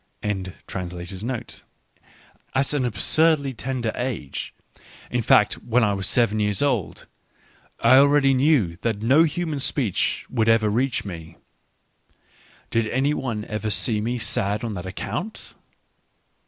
— Tr. Digitized by Google 54 ECCE HOMO At an absurdly tender age, in fact when I was seven years old, I already knew that no human speech would ever reach me : did any one ever see me sad on that account?